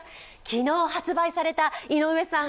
昨日発売された井上さん